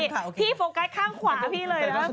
พี่โฟกัสข้างขวาพี่เลยนะ